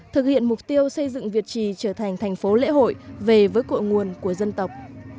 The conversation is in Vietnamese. thực hiện mục tiêu xây dựng việt trì trở thành thành phố lễ hội về với cội nguồn của dân tộc